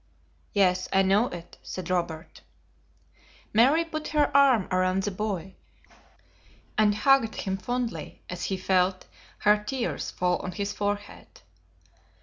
"Yes, I know it," said Robert. Mary put her arm around the boy, and hugged him fondly as he felt her tears fall on his forehead.